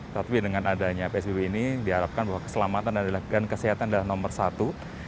tapi dengan adanya psbb ini diharapkan bahwa keselamatan dan kesehatan adalah nomor satu